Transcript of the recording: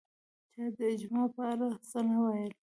چا د اجماع په اړه څه نه ویل